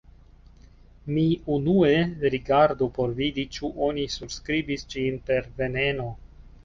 Mi unue rigardu por vidi ĉu oni surskribis ĝin per 'veneno.'